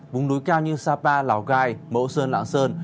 bùng núi cao như sapa lào gai mẫu sơn lãng sơn